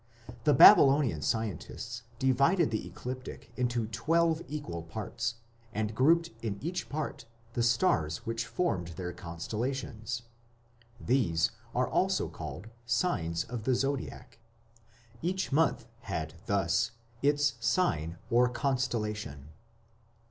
The Babylonian scientists divided the Ecliptic into twelve equal parts, and grouped in each part the stars which formed their constellations; these are also called "Signs of the Zodiac". Each month had thus its sign or constellation.